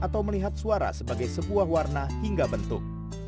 atau melihat suara sebagai sebuah warna hingga bentuk